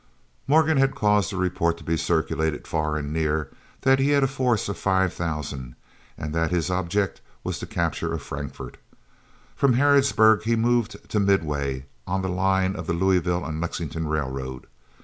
Morgan had caused the report to be circulated far and near that he had a force of five thousand and that his object was the capture of Frankfort. From Harrodsburg he moved to Midway on the line of the Louisville and Lexington Railroad.